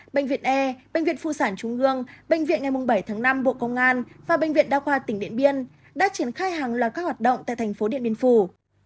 bệnh viện e bệnh viện phụ sản trung ương bệnh viện ngày bảy tháng năm bộ công an và bệnh viện đa khoa tỉnh điện biên đã triển khai hàng loạt các hoạt động tại thành phố điện biên phủ